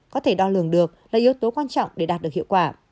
có thể đo lường được là yếu tố quan trọng để đạt được hiệu quả